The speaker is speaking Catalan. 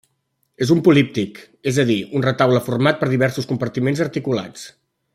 És un políptic, és a dir, un retaule format per diversos compartiments articulats.